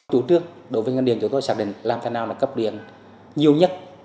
chủ trương đối với ngân điện chúng tôi xác định làm thế nào là cấp điện nhiều nhất